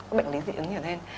có bệnh lý dị ứng nhiều hơn